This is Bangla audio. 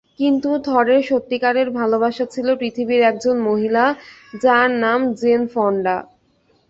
কিন্তু থরের সত্যিকারের ভালোবাসা ছিল পৃথিবীর একজন মহিলা, যার নাম জেন ফন্ডা।